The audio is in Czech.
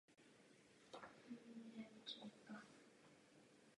Obě křídla mají hrázděné štíty.